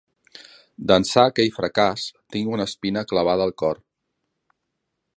D'ençà d'aquell fracàs, tinc una espina clavada al cor.